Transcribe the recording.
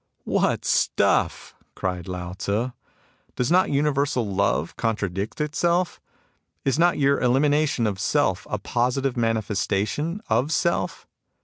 " What stuff !" cried Lao Tzu. " Does not universal love contradict itself ? Is not your elimination of self a positive manifestation of self